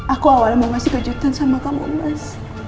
aku awalnya mau ngasih kejutan sama kamu emas